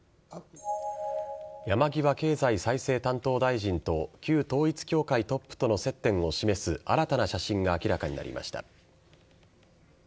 山際経済再生担当大臣と旧統一教会トップとの接点を示す新たな写真が明らかになりました。